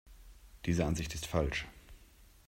Diese Ansicht ist falsch.